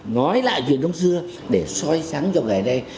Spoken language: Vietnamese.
nói lại chuyện đông xưa để soi sáng cho ngày nay